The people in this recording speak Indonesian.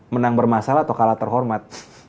menang bermasalah atau kalah terhormat